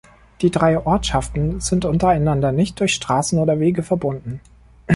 Die drei Ortschaften sind untereinander nicht durch Straßen oder Wege verbunden.